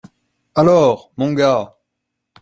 Alors ! Mon gars !